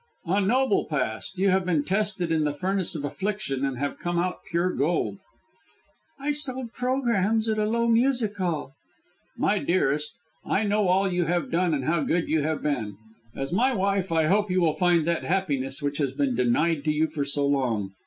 "A noble past. You have been tested in the furnace of affliction, and have come out pure gold." "I sold programmes at a low music hall." "My dearest, I know all you have done, and how good you have been. As my wife, I hope you will find that happiness which has been denied to you for so long.